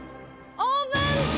オープン！